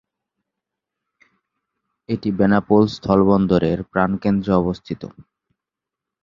এটি বেনাপোল স্থল বন্দরের প্রাণকেন্দ্রে অবস্থিত।